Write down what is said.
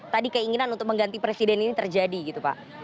tadi keinginan untuk mengganti presiden ini terjadi gitu pak